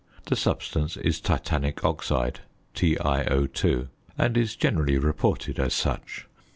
The substance is titanic oxide (TiO_), and is generally reported as such.